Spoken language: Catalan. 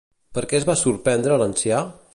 Per què es va sorprendre l'ancià?